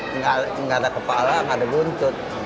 enggak ada kepala enggak ada buntut